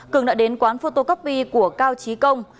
cường đã đến quán photocopy của cao trí công